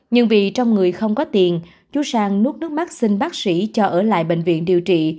nhưng vì trong người không có tiền chú sang nút nước mắt xin bác sĩ cho ở lại bệnh viện điều trị